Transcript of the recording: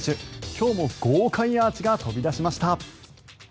今日も豪快アーチが飛び出しました。